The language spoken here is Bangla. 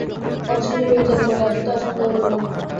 অবশেষে ললিতা নিকটে আসিতে আর সন্দেহ রহিল না।